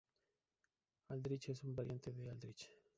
Aldridge es un variante de Aldrich.